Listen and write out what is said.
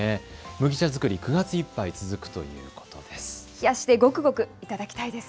麦茶作り、９月いっぱい続くということです。